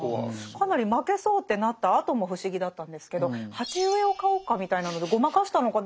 かなり負けそうってなったあとも不思議だったんですけど「鉢植えを買おうか」みたいなのでごまかしたのか。